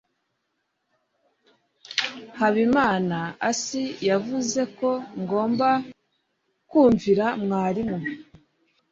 habimanaasi yavuze ko ngomba kumvira mwarimu